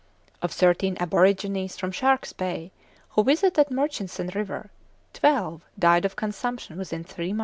Of thirteen aborigines from Shark's Bay who visited Murchison River, twelve died of consumption within three months.